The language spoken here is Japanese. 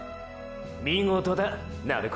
見事だ鳴子！！